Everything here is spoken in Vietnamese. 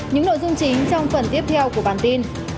những nội dung chính trong phần tiếp theo của bản tin